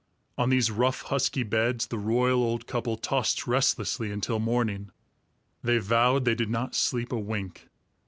On these rough husky beds the royal old couple tossed restlessly until morning. They vowed they did not sleep a wink.